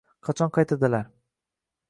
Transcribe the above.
Qachon qaytadilar.